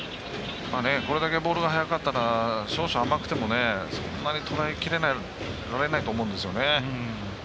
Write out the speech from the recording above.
これだけボールが速かった少々甘くてもそんなとらえ切れなくてもそんなにとらえきれないと思うんですよね。